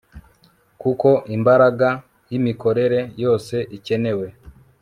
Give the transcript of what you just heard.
kuko imbaraga yimikorere yose ikenewe